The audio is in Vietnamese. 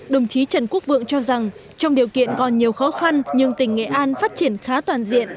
đồng chí trần quốc vượng cho rằng trong điều kiện còn nhiều khó khăn nhưng tỉnh nghệ an phát triển khá toàn diện